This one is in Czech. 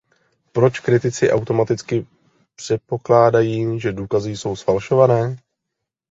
Proč kritici automaticky přepokládají, že důkazy jsou zfalšované?